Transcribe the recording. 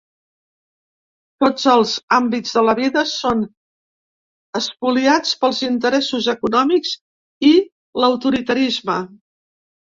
Tots els àmbits de la vida són espoliats pels interessos econòmics i l’autoritarisme.